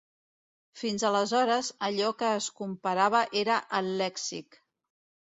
Fins aleshores, allò que es comparava era el lèxic.